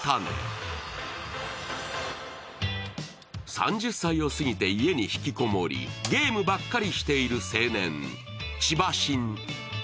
３０歳を過ぎて家に引きこもりゲームばっかりしている青年、ちばしん。